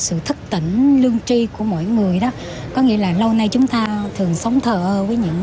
sự thức tỉnh lương tri của mỗi người đó có nghĩa là lâu nay chúng ta thường sống thờ ơ với những